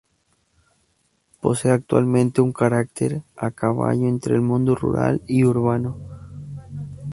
Posee actualmente un carácter a caballo entre el mundo rural y urbano.